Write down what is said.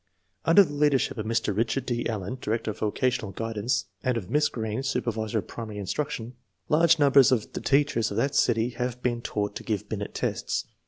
Under the leadership of Mr. Richard D. Allen, Director of Vocational Guidance, and of Miss Greene, Supervisor of Primary Instruction, large num bers of the teachers of that city have been taught to give Binet tests.